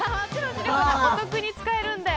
お得に使えるんだよ。